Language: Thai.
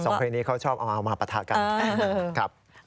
สองเพลงนี้เขาชอบเอามาปะทะกัน